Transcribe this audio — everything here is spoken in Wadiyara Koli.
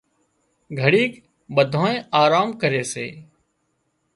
گھڙيڪ ٻڌانئين آرام ڪري سي